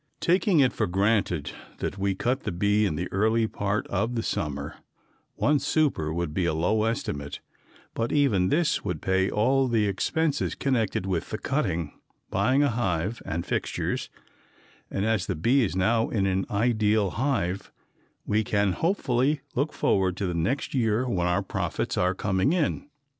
Taking it for granted that we cut the bee in the early part of the summer, one super would be a low estimate, but even this would pay all expenses connected with the cutting, buying a hive and fixtures, and as the bee is now in an ideal hive we can hopefully look forward to the next year when our profits are coming in.